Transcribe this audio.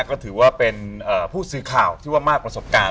ก็ถือว่าเป็นผู้สื่อข่าวที่ว่ามากประสบการณ์